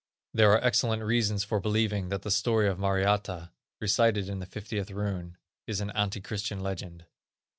There are excellent reasons for believing that the story of Mariatta, recited in the 50th Rune, is an ante Christian legend.